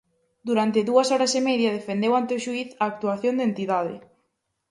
Durante dúas horas e media defendeu ante o xuíz a actuación da entidade.